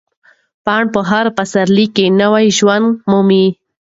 پاڼه په هر پسرلي کې نوی ژوند مومي.